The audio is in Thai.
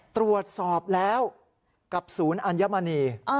ตรวจสอบแล้วกับศูนย์อัญมณี